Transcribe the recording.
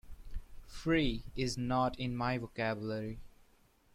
Free is not in my vocabulary.